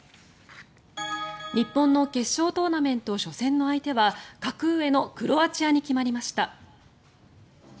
日本の決勝トーナメント初戦の相手は格上のクロアチアに決まりました。